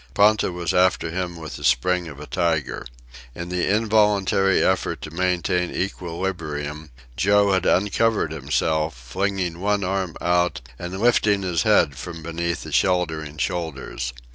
Ponta was after him with the spring of a tiger. In the involuntary effort to maintain equilibrium, Joe had uncovered himself, flinging one arm out and lifting his head from beneath the sheltering shoulders.